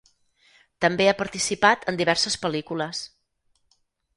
També ha participat en diverses pel·lícules.